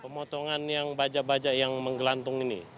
pemotongan yang baja baja yang menggelantung ini